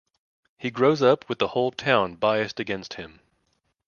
He grows up with the whole town biased against him.